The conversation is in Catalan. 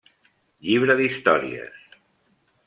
Llibre d'històries